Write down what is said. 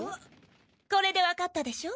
これで分かったでしょ？